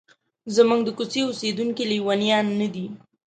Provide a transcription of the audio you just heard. زموږ د کوڅې اوسیدونکي لیونیان نه دي.